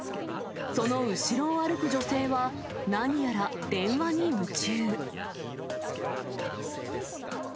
その後ろを歩く女性は、何やら電話に夢中。